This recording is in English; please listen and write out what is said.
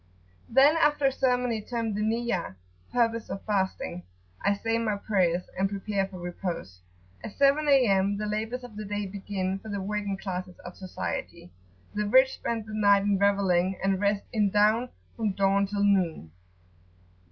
Then, after a ceremony termed the Niyat[FN#6] (purpose) of fasting, I say my [p.77]prayers, and prepare for repose.[FN#7] At 7 A.M. the labours of the day begin for the working classes of society; the rich spend the night in revelling, and rest in down from dawn till noon.